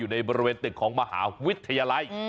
อยู่ในบริเวณเติ๊กของมหาวิทยาลัย